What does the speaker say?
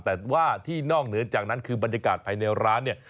แต่ว่าที่นอกเหนือจากนั้นคือบรรยากาศภายในร้านเนี่ย